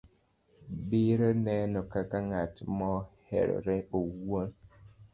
biro neno kaka ng'at moherore owuon